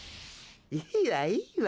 いいわ、いいわ。